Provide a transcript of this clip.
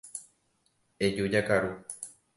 Eju jakaru.